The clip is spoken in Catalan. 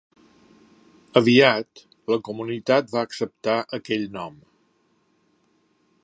Aviat, la comunitat va acceptar aquell nom.